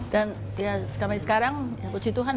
dan ya sampai sekarang ya puji tuhan